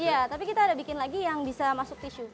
iya tapi kita ada bikin lagi yang bisa masuk tisu